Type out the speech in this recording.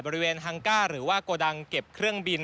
บริเวณฮังก้าหรือว่าโกดังเก็บเครื่องบิน